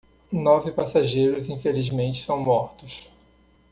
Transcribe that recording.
Nove passageiros infelizmente são mortos